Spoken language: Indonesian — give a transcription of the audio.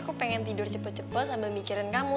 aku pengen tidur cepet cepet sambil mikirin kamu